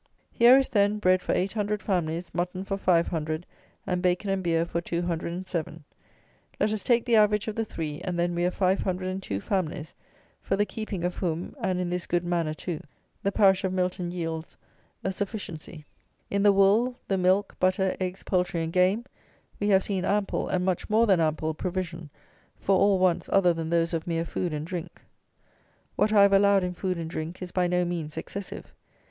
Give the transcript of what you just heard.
Here is, then, bread for 800 families, mutton for 500, and bacon and beer for 207. Let us take the average of the three, and then we have 502 families, for the keeping of whom, and in this good manner too, the parish of Milton yields a sufficiency. In the wool, the milk, butter, eggs, poultry, and game, we have seen ample, and much more than ample, provision for all wants other than those of mere food and drink. What I have allowed in food and drink is by no means excessive.